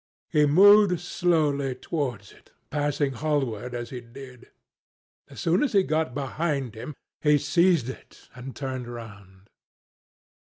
He moved slowly towards it, passing Hallward as he did so. As soon as he got behind him, he seized it and turned round.